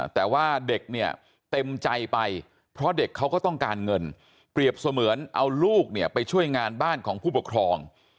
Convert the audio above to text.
แต่ว่าเด็กเนี่ยเต็มใจไปเพราะเด็กเขาก็ต้องการเงินเปรียบเสมือนเอาลูกเนี่ยไปช่วยงานบ้านของผู้ปกครอง